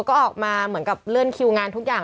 ก็ออกมาเหมือนกับเลื่อนคิวงานทุกอย่าง